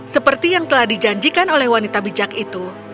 seperti yang telah dijanjikan oleh wanita bijak itu